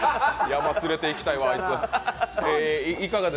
山連れて行きたいわ、あいつ。